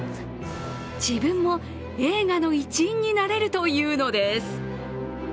自分も映画の一員になれるというのです。